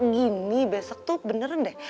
gini besok tuh beneran deh